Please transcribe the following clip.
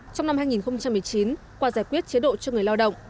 trong năm hai nghìn một mươi chín qua giải quyết chế độ cho người lao động